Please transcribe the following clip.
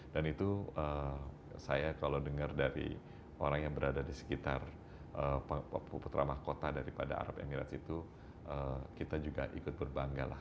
dan itu saya kalau dengar dari orang yang berada di sekitar putra makota daripada arab emirates itu kita juga ikut berbangga lah